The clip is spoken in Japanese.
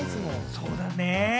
そうだね。